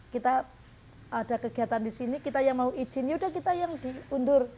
kita ada kegiatan di sini kita yang mau izin yaudah kita yang diundur